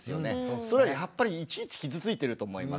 それはやっぱりいちいち傷ついてると思います。